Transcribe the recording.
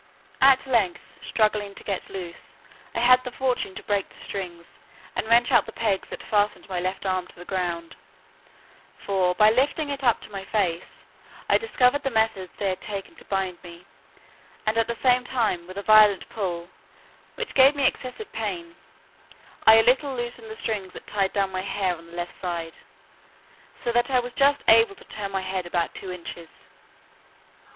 At length, struggling to get loose, I had the fortune to break the strings, and wrench out the pegs that fastened my left arm to the ground; for, by lifting it up to my face, I discovered the methods they had taken to bind me, and at the same time with a violent pull, which gave me excessive pain, I a little loosened the strings that tied down my hair on the left side, so that I was just able to turn my head about two inches.